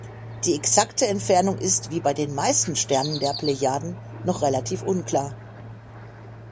Die exakte Entfernung ist wie bei den meisten Sternen der Plejaden noch relativ unklar.